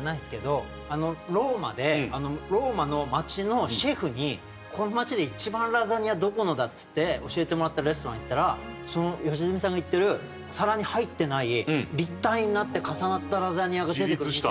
ローマでローマの街のシェフに。って教えてもらったレストラン行ったらその良純さんが言ってる皿に入ってない立体になって重なったラザニアが出てくる店で。